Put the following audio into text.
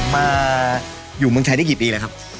มาอยู่เมืองไทยได้กี่ปีแล้วครับ